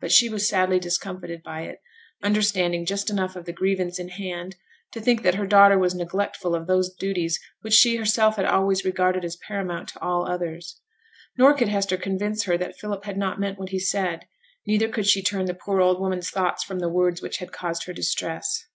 But she was sadly discomfited by it, understanding just enough of the grievance in hand to think that her daughter was neglectful of those duties which she herself had always regarded as paramount to all others; nor could Hester convince her that Philip had not meant what he said; neither could she turn the poor old woman's thoughts from the words which had caused her distress.